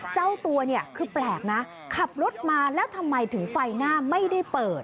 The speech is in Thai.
เจ้าตัวเนี่ยคือแปลกนะขับรถมาแล้วทำไมถึงไฟหน้าไม่ได้เปิด